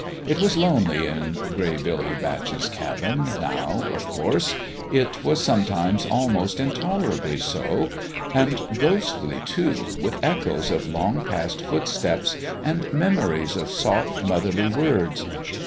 It was lonely in Gray The WISTFUL HEART 87 Billy Batch's cabin, now, of course ; it was some times almost intolerably so and ghostly, too, with echoes of long past footsteps and memories of soft motherly words.